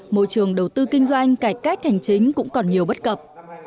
môi trường đầu tư kinh doanh cải cách hành chính cũng còn nhiều bất cập